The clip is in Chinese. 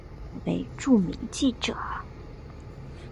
其兄羊枣为著名记者。